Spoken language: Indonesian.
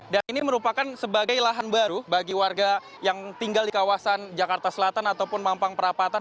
dan ini merupakan sebagai lahan baru bagi warga yang tinggal di kawasan jakarta selatan ataupun mampang perapatan